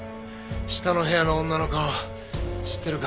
下の部屋の女の顔知ってるか？